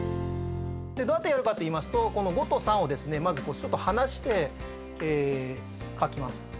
どうやってやるかといいますと５と３をまずちょっと離して書きます。